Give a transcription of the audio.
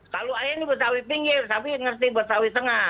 kalau ayah ini betawi pinggir sapi ngerti betawi tengah